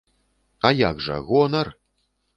А як жа, гонар!